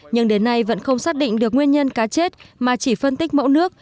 nhưng đến nay vẫn không xác định được nguyên nhân cá chết mà chỉ phân tích mẫu nước